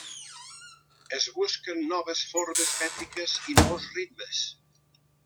Es busquen noves formes mètriques i nous ritmes.